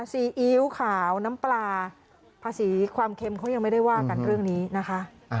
ซีอิ๊วขาวน้ำปลาภาษีความเค็มเขายังไม่ได้ว่ากันเรื่องนี้นะคะ